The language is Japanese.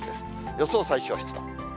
予想最小湿度。